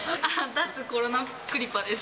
脱コロナクリパです。